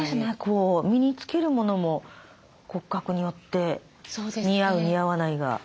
身に着けるものも骨格によって似合う似合わないが。